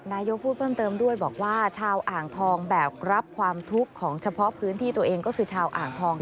นายกพูดเพิ่มเติมด้วยบอกว่าชาวอ่างทองแบกรับความทุกข์ของเฉพาะพื้นที่ตัวเองก็คือชาวอ่างทอง